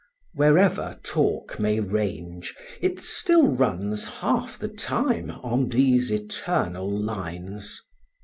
Wherever talk may range, it still runs half the time on these eternal lines.